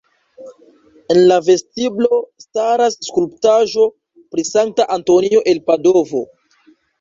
En la vestiblo staras skulptaĵo pri Sankta Antonio el Padovo.